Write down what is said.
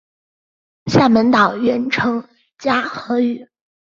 厦门岛原称嘉禾屿。